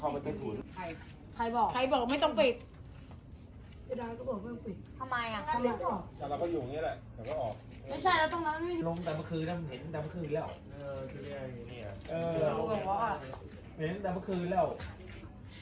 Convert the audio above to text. เห็นตั้งประคุณแล้ว